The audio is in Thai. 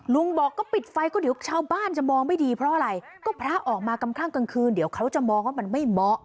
ลุงบอกก็ปิดไฟก็เดี๋ยวชาวบ้านจะมองไม่ดีเพราะอะไรก็พระออกมากำคลั่งกลางคืนเดี๋ยวเขาจะมองว่ามันไม่เหมาะ